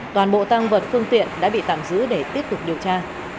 toàn bộ tăng vật phương tiện đã bị tạm giữ để tiếp tục điều tra